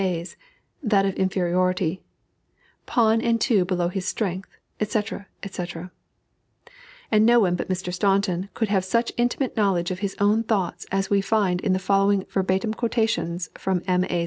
A.'s" that of inferiority, "Pawn and two below his strength," &c. &c. And no one but Mr. Staunton could have such intimate knowledge of his own thoughts as we find in the following verbatim quotations from "M. A.'